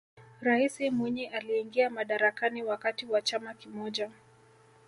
raisi mwinyi aliingia madarakani wakati wa chama kimoja